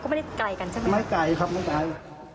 ก็ไม่ได้ไกลกันใช่ไหมไม่ไกลครับไม่ไกล